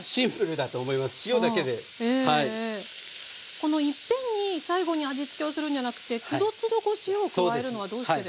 この一遍に最後に味付けをするんじゃなくてつどつど塩を加えるのはどうしてですか？